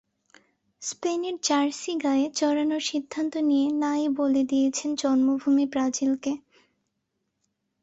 স্পেনের জার্সি গায়ে চড়ানোর সিদ্ধান্ত নিয়ে না-ই বলে দিয়েছেন জন্মভূমি ব্রাজিলকে।